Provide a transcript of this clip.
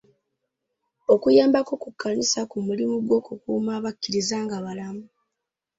Okuyambako ku kkanisa ku mulimu gw'okukuuma abakkiriza nga balamu.